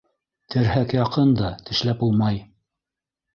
Терһәк яҡын да, тешләп булмай.